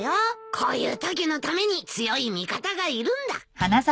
こういうときのために強い味方がいるんだ。